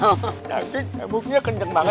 jadi nyamuknya kenceng banget ya